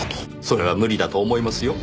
それは無理だと思いますよ。